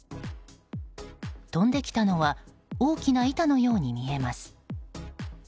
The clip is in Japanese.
飛んできたのは大きな板のように見えます。